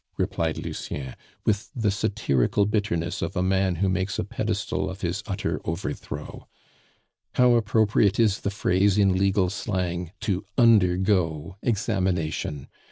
replied Lucien, with the satirical bitterness of a man who makes a pedestal of his utter overthrow, "how appropriate is the phrase in legal slang 'to UNDERGO examination.